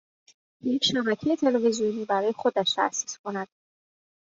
یک شبکه تلویزیونی برای خودش تاسیس کند